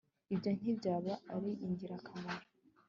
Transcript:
ibyo ntibyaba ari ingirakamaro